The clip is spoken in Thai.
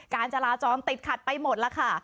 การจราจรติดขัดไปหมดแล้วค่ะ